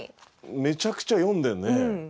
めちゃくちゃ読んでるね。